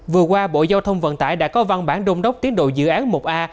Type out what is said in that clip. vừa qua bộ giao thông vận tải đã có văn bản đông đốc tiến độ dự án một a